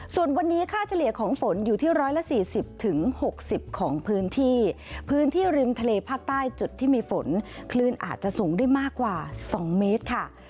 ส่วนวันนี้ค่าเฉลี่ยของฝนอยู่ที่๑๔๐๖๐ของพื้นที่พื้นที่ริมทะเลภาคใต้จุดที่มีฝนคลื่นอาจจะสูงได้มากกว่า๒เมตรค่ะ